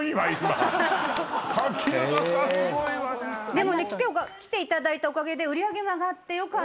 でもね来ていただいたおかげで売り上げも上がってよかったです。